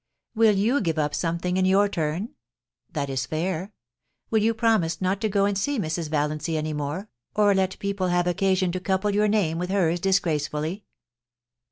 Will you give up something in your turn ? That is fair. Will you promise not to go and see Mrs. Valiancy any more, or let people have occasion to couple your name with hers disgrace fully